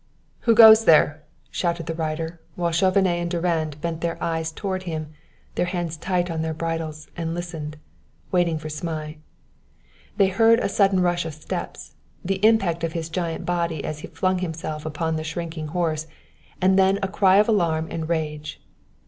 "Who goes there?" shouted the rider; while Chauvenet and Durand bent their eyes toward him, their hands tight on their bridles, and listened, waiting for Zmai. They heard a sudden rush of steps, the impact of his giant body as he flung himself upon the shrinking horse; and then a cry of alarm and rage.